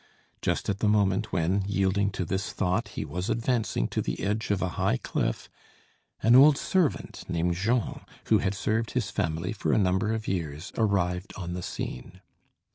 Just at the moment when, yielding to this thought, he was advancing to the edge of a high cliff, an old servant named Jean, who had served his family for a number of years, arrived on the scene.